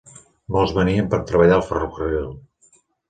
Molts venien per treballar al ferrocarril.